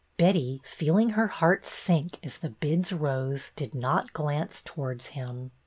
Betty, feeling her heart sink as the bids rose, did not glance towards him.